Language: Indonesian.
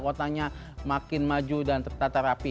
kotanya makin maju dan tertata rapi